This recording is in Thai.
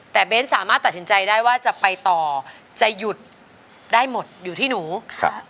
แต่เบ้นสามารถตัดสินใจได้ว่าจะไปต่อจะหยุดได้หมดอยู่ที่หนูครับ